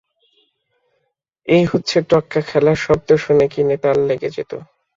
এই হচ্ছে টক্কা খেলা শব্দ শুনে কিনে তাল লেগে যেত।